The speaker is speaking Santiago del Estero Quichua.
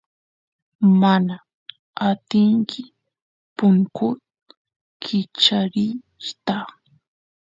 mana atinki punkut kichariyta